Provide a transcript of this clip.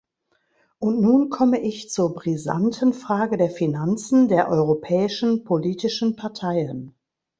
Und nun komme ich zur brisanten Frage der Finanzen der europäischen politischen Parteien.